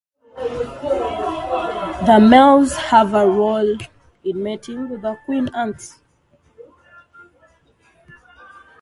The males have a role in mating with the queen ants.